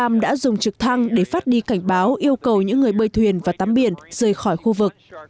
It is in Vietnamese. cảnh sát quận cam đã dùng trực thăng để phát đi cảnh báo yêu cầu những người bơi thuyền và tắm biển rời khỏi khu vực